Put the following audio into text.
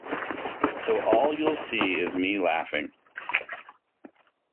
So all you'll see is me laughing.